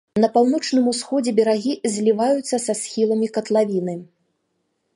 На паўночным усходзе берагі зліваюцца са схіламі катлавіны.